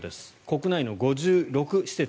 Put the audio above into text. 国内の５６施設。